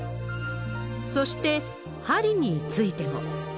そして、針についても。